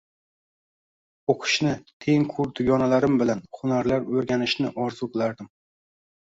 O`qishni, tengqur dugonalarim bilan hunarlar o`rganishni orzu qilardim